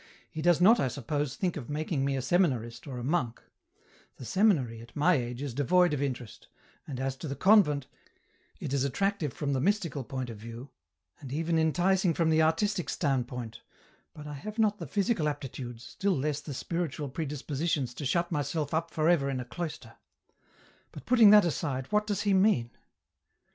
He does not, I suppose, think of making me a seminarist or a monk ; the seminary, at my age, is devoid of interest, and as to the convent, it is attractive from the mystical point of view, and even enticing from the artistic standpoint, but I have not the physical aptitudes, still less the spiritual pre dispositions to shut myself up for ever in a cloister ; but putting that aside, what does he mean